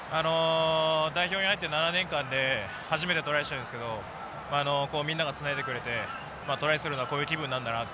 代表に入って７年間で初めてトライしたんですけどみんながつないでくれてトライするのはこういう気分なんだなと。